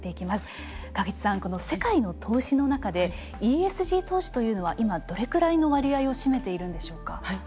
河口さんこの世界の投資の中でＥＳＧ投資というのは今どれくらいの割合を占めているんでしょうか？